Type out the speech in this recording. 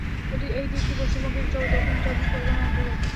এই দ্বীপটি পশ্চিমবঙ্গের দক্ষিণ চব্বিশ পরগনার অন্তর্গত।